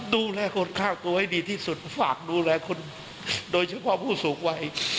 ดูแลคนข้างตัวให้ดีที่สุดฝากดูแลคนโดยเฉพาะผู้สูงวัย